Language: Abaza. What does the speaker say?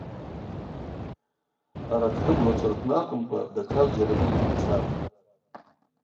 Арат хӏыгвлачва рпны акӏвымкӏва, датша зджьарагьи дгьымцатӏ.